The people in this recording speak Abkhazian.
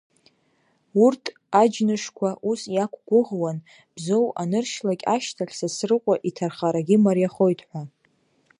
Урҭ аџьнышқәа ус иақәгәыӷуан, Бзоу аныршьлакь ашьҭахь, Сасрыҟәа иҭархарагьы мариахоит ҳәа.